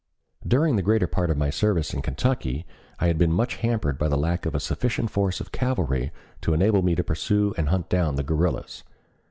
During the greater part of my service in Kentucky I had been much hampered by the lack of a sufficient force of cavalry to enable me to pursue and hunt down the guerrillas.